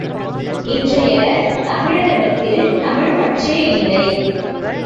இன்றைய தமிழரிடத்தில் தமிழ்ப்பற்றே இல்லை!